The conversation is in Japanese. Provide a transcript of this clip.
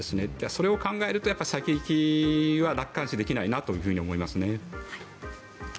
それを考えると先行きは楽観視できないなと思います。